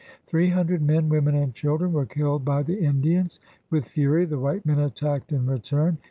Three hundred men, women, and children were killed by the Indians. With fury the white men attacked in return.